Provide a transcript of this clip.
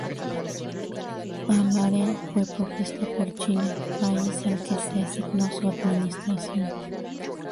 Al área fue propuesta por Chile, país al que se asignó su administración.